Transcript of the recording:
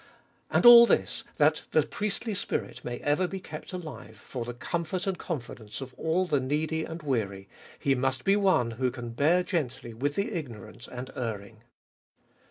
And all this, that the priestly spirit may ever be kept alive for the comfort and confidence of all the needy and weary — he must be one who can bear gently with the ignorant and erring.